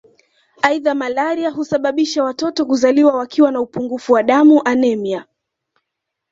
Aidha malaria husababisha watoto kuzaliwa wakiwa na upungufu wa damu anemia